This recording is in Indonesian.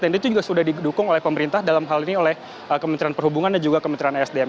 dan itu juga sudah didukung oleh pemerintah dalam hal ini oleh kementerian perhubungan dan juga kementerian sdm